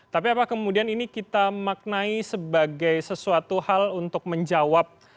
tapi apa kemudian ini kita maknai sebagai sesuatu hal untuk menjawab